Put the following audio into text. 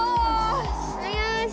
よし！